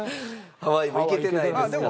ハワイも行けてないですから。